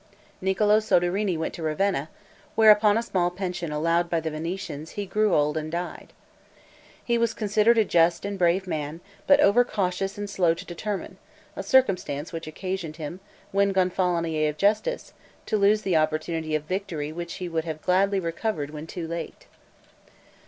Niccolo Soderini went to Ravenna, where, upon a small pension allowed by the Venetians, he grew old and died. He was considered a just and brave man, but over cautious and slow to determine, a circumstance which occasioned him, when Gonfalonier of Justice, to lose the opportunity of victory which he would have gladly recovered when too late.